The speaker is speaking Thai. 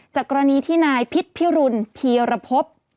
กรณีที่นายพิษพิรุณพีรพบ